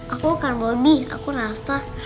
aku bukan bobi aku rafa